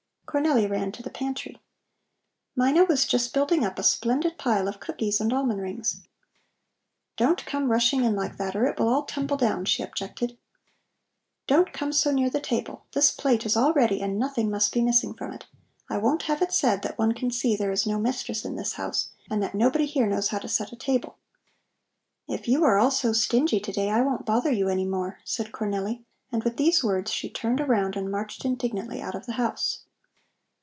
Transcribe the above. Cornelli ran to the pantry. Mina was just building up a splendid pile of cookies and almond rings. "Don't come rushing in like that, or it will all tumble down," she objected. "Don't come so near to the table; this plate is all ready and nothing must be missing from it. I won't have it said that one can see there is no mistress in this house, and that nobody here knows how to set a table." "If you are all so stingy to day, I won't bother you any more," said Cornelli, and with these words she turned around and marched indignantly out of the house.